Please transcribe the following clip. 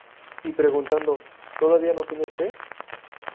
Y preguntando "¿Todavía no tienes fe?